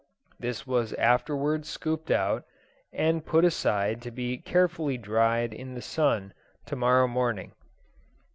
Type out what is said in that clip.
This was afterwards scooped out, and put aside to be carefully dried in the sun to morrow morning.